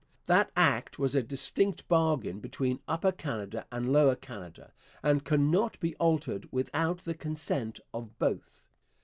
That Act was a distinct bargain between Upper Canada and Lower Canada, and could not be altered without the consent of both.